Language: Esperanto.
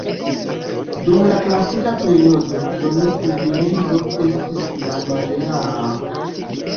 Dum la Klasika periodo la domina civilizo estis la Majaa.